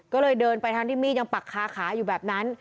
ก็เลยเดินไปทั้งที่มีดยังปักคาขาอยู่แบบนั้น